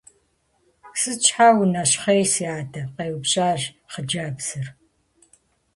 - Сыт, щхьэ унэщхъей, си адэ? - къеупщӀащ хъыджэбзыр.